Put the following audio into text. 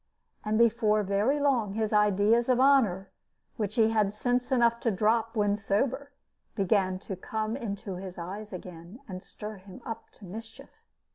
And before very long his ideas of honor, which he had sense enough to drop when sober, began to come into his eyes again, and to stir him up to mischief.